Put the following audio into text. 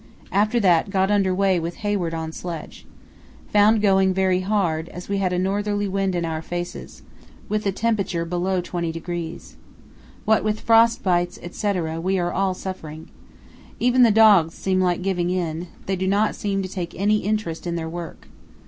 After that got under way with Hayward on sledge. Found going very hard, as we had a northerly wind in our faces, with a temperature below 20°. What with frost bites, etc., we are all suffering. Even the dogs seem like giving in; they do not seem to take any interest in their work.